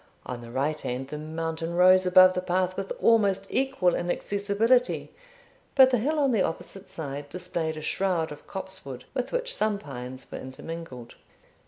On the right hand, the mountain rose above the path with almost equal inaccessibility; but the hill on the opposite side displayed a shroud of copsewood, with which some pines were intermingled.